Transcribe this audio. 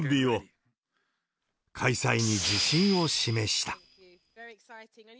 開催に自信を示した。